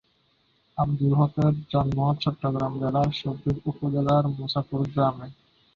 আবদুল হকের জন্ম চট্টগ্রাম জেলার সন্দ্বীপ উপজেলার মুছাপুর গ্রামে।